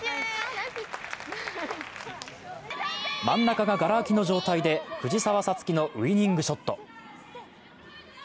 真ん中ががら空きの状態で、藤澤五月のウイニングショット。